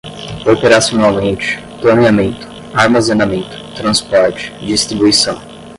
operacionalmente, planeamento, armazenamento, transporte, distribuição